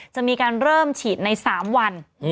จะมีการเริ่มฉีดใน๓วัน